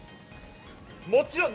もちろん。